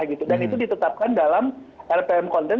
dan itu ditetapkan dalam rtm konten